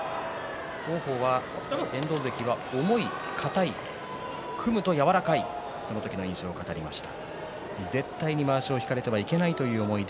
王鵬は遠藤関は重い、かたい組むと柔らかいと、その時の印象を語りました。